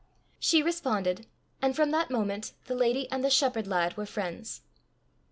She responded, and from that moment the lady and the shepherd lad were friends.